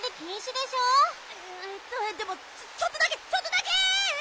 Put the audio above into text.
でもちょっとだけちょっとだけ！